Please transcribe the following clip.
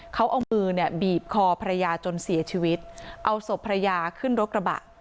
เขาเอามือเนี่ยบีบคอภรรยาจนเสียชีวิตเอาศพภรรยาขึ้นรถกระบะ